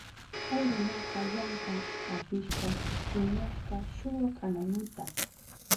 Kay runaka yanka apishpa rimashka shuwa kanaynita.